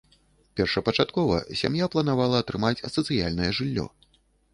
Першапачаткова сям'я планавала атрымаць сацыяльнае жыллё.